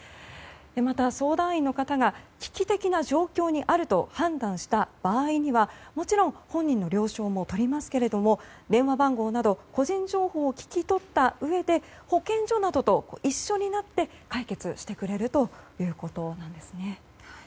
また、相談員の方が危機的な状況にあると判断した場合はもちろん、本人の了承もとりますけれども電話番号など個人情報を聞き取ったうえで保健所などと一緒になって解決してくれるということです。